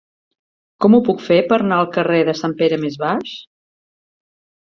Com ho puc fer per anar al carrer de Sant Pere Més Baix?